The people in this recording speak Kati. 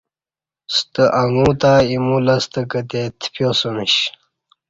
ستہ اݣا تہ ایمو لستہ کتے تپیاسمیش